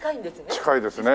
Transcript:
近いですね。